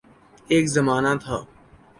ایک زمانہ تھا